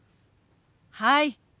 はい。